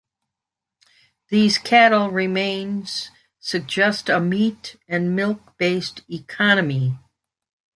These cattle remains suggest a meat- and milk-based economy.